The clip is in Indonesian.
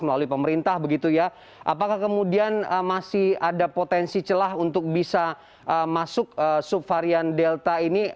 melalui pemerintah begitu ya apakah kemudian masih ada potensi celah untuk bisa masuk subvarian delta ini